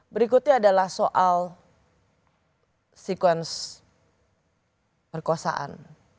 berikutnya adalah soal sekuensi perkosaan